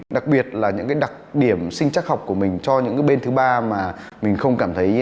đặc biệt là những đặc điểm sinh chắc học của mình cho những bên thứ ba mà mình không cảm thấy tin tưởng